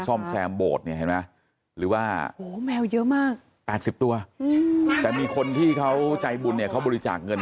ซ่อมแซมโบดเนี่ยเห็นไหม